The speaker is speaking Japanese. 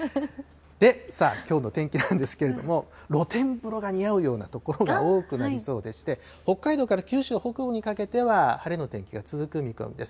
さあ、きょうの天気なんですけど、露天風呂が似合う所が多くなりそうでして、北海道から九州北部にかけては晴れの天気が続く見込みです。